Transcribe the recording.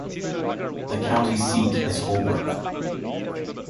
The county seat is Holbrook.